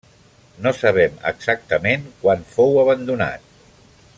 No sabem exactament quan fou abandonat.